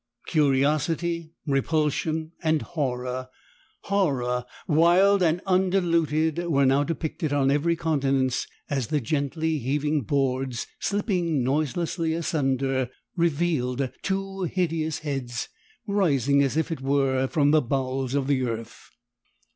Curiosity, repulsion, and horror horror wild and undiluted were now depicted on every countenance as the gently heaving boards, slipping noiselessly asunder, revealed two hideous heads, rising as it were from the bowels of the earth.